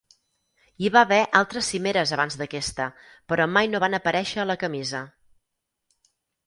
Hi va haver altres cimeres abans d'aquesta, però mai no van aparèixer a la camisa.